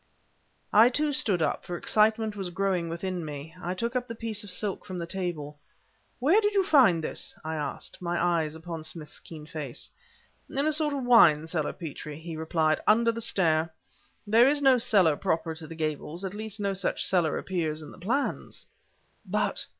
I, too, stood up; for excitement was growing within me. I took up the piece of silk from the table. "Where did you find this?" I asked, my eyes upon Smith's keen face. "In a sort of wine cellar, Petrie," he replied, "under the stair. There is no cellar proper to the Gables at least no such cellar appears in the plans." "But..."